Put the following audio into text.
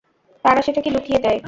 তারা সেটাকে লুকিয়ে দেয়।